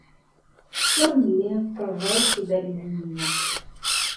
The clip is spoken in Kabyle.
Ur nelli nessaẓay tibalizin-nneɣ.